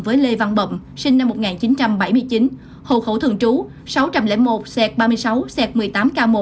với lê văn bậm sinh năm một nghìn chín trăm bảy mươi chín hồ khẩu thường trú sáu trăm linh một ba mươi sáu một mươi tám k một